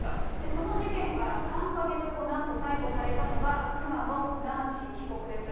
その事件から３か月後、なんと逮捕されたのが、妻のナンシー被告です。